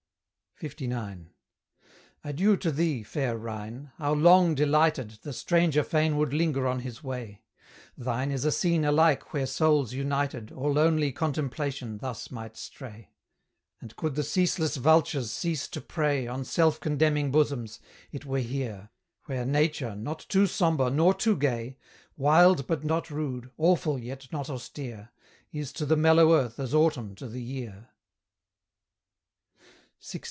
LIX. Adieu to thee, fair Rhine! How long, delighted, The stranger fain would linger on his way; Thine is a scene alike where souls united Or lonely Contemplation thus might stray; And could the ceaseless vultures cease to prey On self condemning bosoms, it were here, Where Nature, not too sombre nor too gay, Wild but not rude, awful yet not austere, Is to the mellow earth as autumn to the year. LX.